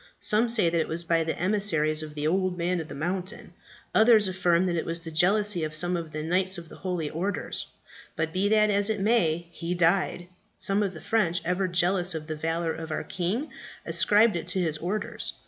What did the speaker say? Some say that it was by emissaries of the Old Man of the Mountain. Others affirm that it was the jealousy of some of the knights of the holy orders. But be that as it may, he died. Some of the French, ever jealous of the valour of our king, ascribed it to his orders.